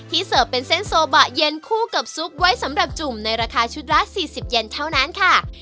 เสิร์ฟเป็นเส้นโซบะเย็นคู่กับซุปไว้สำหรับจุ่มในราคาชุดละ๔๐เย็นเท่านั้นค่ะ